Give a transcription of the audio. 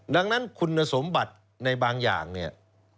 ดังนั้นคุณสมบัติในบางอย่างเนี่ย